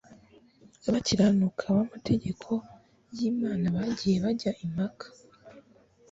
bakiranuka bamategeko yImana bagiye bajya impaka